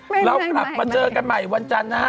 เรากลับมาเจอกันใหม่วันจันทร์นะฮะ